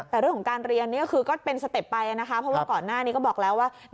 แต่เรื่องของการเรียนนี่ก็คือก็เป็นสเต็ปไปนะคะเพราะว่าก่อนหน้านี้ก็บอกแล้วว่า